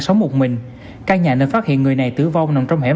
xin chào các bạn